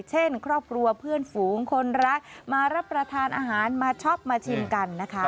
เช่นครอบครัวเพื่อนฝูงคนรักมารับประทานอาหารมาช็อปมาชิมกันนะคะ